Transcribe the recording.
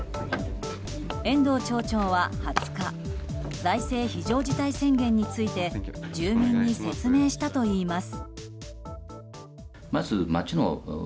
遠藤町長は２０日財政非常事態宣言について住民に説明したといいます。